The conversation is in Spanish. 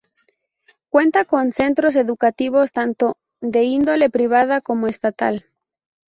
Cuenta con centros educativos tanto de índole privada como estatal.